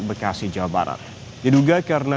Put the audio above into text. bekasi jawa barat diduga karena